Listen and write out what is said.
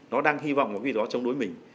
nó đang hy vọng có cái gì đó trong đối mình